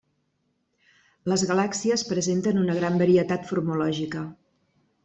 Les galàxies presenten una gran varietat morfològica.